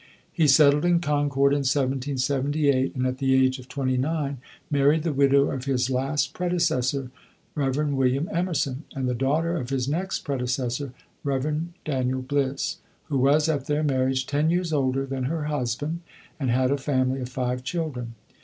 He settled in Concord in 1778, and at the age of twenty nine married the widow of his last predecessor, Rev. William Emerson (and the daughter of his next predecessor, Rev. Daniel Bliss), who was at their marriage ten years older than her husband, and had a family of five children.